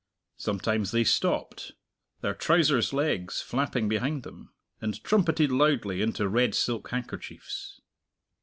Sometimes they stopped their trousers legs flapping behind them and trumpeted loudly into red silk handkerchiefs.